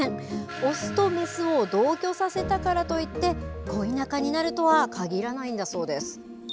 雄と雌を同居させたからといって恋仲になるとは限らないんだそうです。